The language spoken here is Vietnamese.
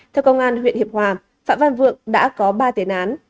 theo công an huyện hiệp hòa phạm văn vượng đã có ba tiền án